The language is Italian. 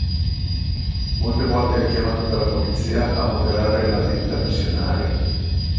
Molte volte è richiamato dalla polizia a moderare l'attività missionaria.